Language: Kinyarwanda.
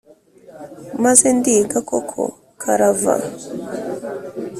maze ndiga koko karava.